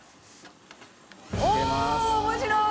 おお面白い！